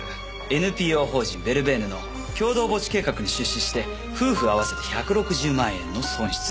ＮＰＯ法人ヴェルベーヌの共同墓地計画に出資して夫婦合わせて１６０万円の損失。